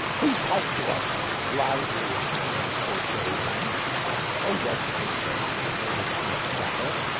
"Pwepothterouth!" loudly exclaimed Sir Cherry Bounce. "Hold your tongue, Cherry," said Major Smilax Dapper.